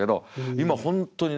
今本当にね